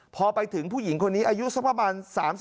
พอไปถึงผู้หญิงคนนี้อายุสักประมาณ๓๔